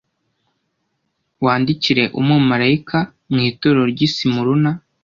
Wandikire umumarayikam w itorero ry i Simuruna